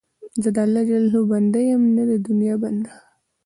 زه د الله جل جلاله بنده یم، نه د دنیا بنده.